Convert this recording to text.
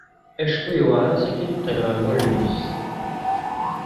Acku yuɛer-as akke ad iṭil ɣer wallen-is.